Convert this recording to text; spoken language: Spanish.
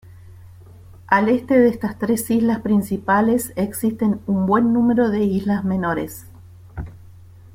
Al este de estas tres islas principales existen un buen número de islas menores.